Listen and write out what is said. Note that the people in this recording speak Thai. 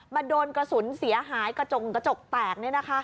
มาโดนกระสุนเสียหายกระจงกระจกแตกนี่นะคะ